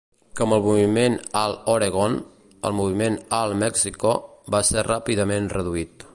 Com el moviment All Oregon, el moviment All Mexico va ser ràpidament reduït.